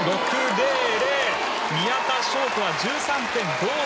宮田笙子は１３．５３３。